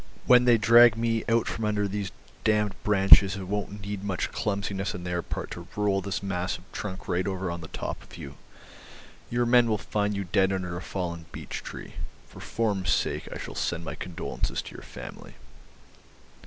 When they drag me out from under these damned branches it won't need much clumsiness on their part to roll this mass of trunk right over on the top of you. Your men will find you dead under a fallen beech tree. For form's sake I shall send my condolences to your family."